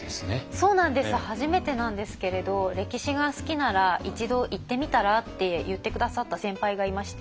そうなんです初めてなんですけれど「歴史が好きなら一度行ってみたら？」って言って下さった先輩がいまして。